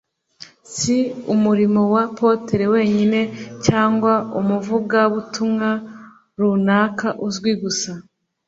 si umurimo wa Apotre wenyine cyangwa umuvuga-butumwa runaka uzwi gusa